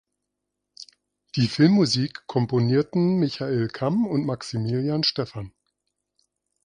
Die Filmmusik komponierten Michael Kamm und Maximilian Stephan.